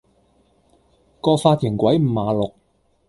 個髮型鬼五馬六